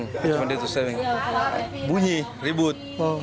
cuma ditutup seng bunyi ribut